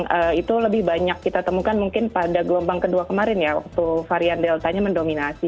nah itu lebih banyak kita temukan mungkin pada gelombang kedua kemarin ya waktu varian deltanya mendominasi